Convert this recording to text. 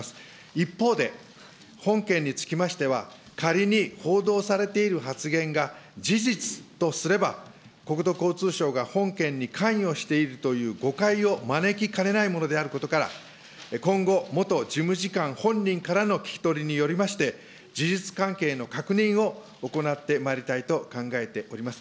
一方で、本件につきましては、仮に報道されている発言が事実とすれば、国土交通省が本件に関与しているという誤解を招きかねないものであることから、今後、元事務次官本人からの聞き取りによりまして、事実関係の確認を行ってまいりたいと考えております。